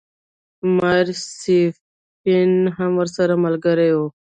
ماري سټیفن هم ورسره ملګرې وه.